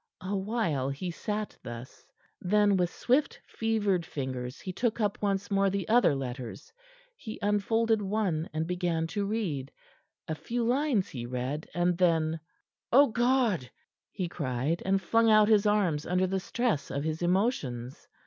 A while he sat thus; then with swift fevered fingers he took up once more the other letters. He unfolded one, and began to read. A few lines he read, and then "O God!" he cried, and flung out his arms under stress of 'his emotions.